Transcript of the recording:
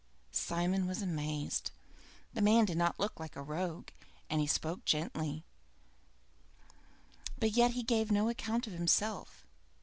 Simon was amazed. The man did not look like a rogue, and he spoke gently, but yet he gave no account of himself.